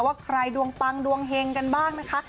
ว่าใครดวงปังดวงเฮงกันบ้างนะคะ